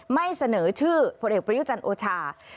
ไม่เสนอชื่อพลเอกประยุจันทร์โอชา